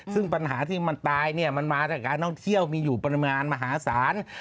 ซึ่งปัญหาที่มันตายเนี่ยมันมาจากการท่องเที่ยวมีอยู่ประมาณมหาศาล